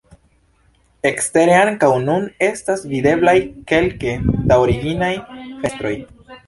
Ekstere ankaŭ nun estas videblaj kelke da originaj fenestroj.